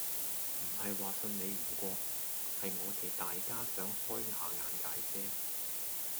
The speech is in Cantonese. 唔係話信你唔過，係我哋大家想開吓眼界啫